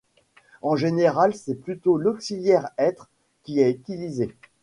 En général, c'est plutôt l'auxiliaire 'être' qui est utilisé.